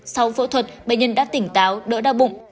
sau phẫu thuật bệnh nhân đã tỉnh táo đỡ đau bụng